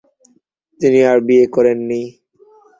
তিনি আর বিয়ে করেননি।